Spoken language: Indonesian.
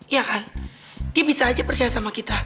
iya kan dia bisa aja percaya sama kita